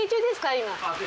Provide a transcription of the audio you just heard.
今。